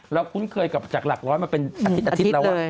คุ้นเคยกับจากหลักร้อยมาเป็นอาทิตอาทิตย์แล้ว